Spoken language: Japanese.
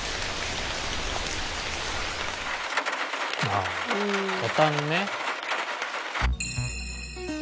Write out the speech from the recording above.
ああトタンね。